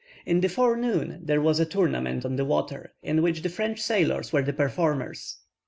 In the forenoon, there was a tournament on the water, in which the French sailors were the performers.